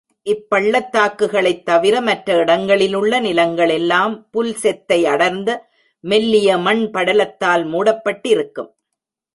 இப் பள்ளத்தாக்குகளைத் தவிர மற்ற இடங்களிலுள்ள நிலங்களெல்லாம், புல் செத்தை அடர்ந்த மெல்லிய மண்படலத்தால் மூடப்பட்டிருக்கும்.